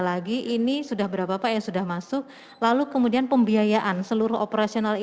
lagi ini sudah berapa pak yang sudah masuk lalu kemudian pembiayaan seluruh operasional